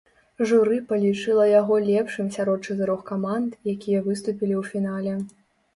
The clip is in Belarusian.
Журы палічыла яго лепшым сярод чатырох каманд, якія выступілі ў фінале.